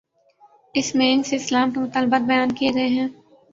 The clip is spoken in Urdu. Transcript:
اس میں ان سے اسلام کے مطالبات بیان کیے گئے ہیں۔